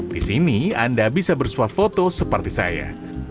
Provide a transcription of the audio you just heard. di sini anda bisa bersuap foto seperti saya